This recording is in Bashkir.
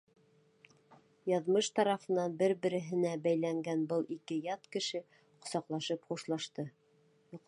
Яҙмыш тарафынан бер-береһенә бәйләнгән был ике ят кеше ҡосаҡлашып хушлашты.